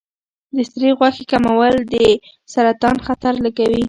د سرې غوښې کمول د سرطان خطر لږوي.